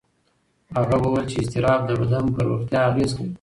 هغه وویل چې اضطراب د بدن پر روغتیا اغېز کوي.